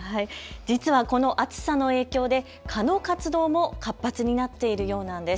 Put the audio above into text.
実はこの暑さの影響で蚊の活動も活発になっているようなんです。